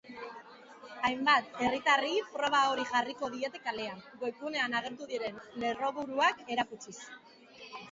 Hainbat herritarri proba hori jarriko diete kalean, webean agertu diren lerroburuak erakutsiz.